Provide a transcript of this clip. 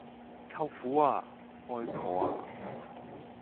舅父呀！外婆呀！